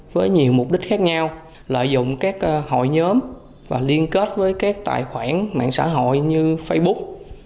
với nhiều mục đích khác nhau lợi dụng các hội nhóm và liên kết với các tài khoản mạng xã hội như facebook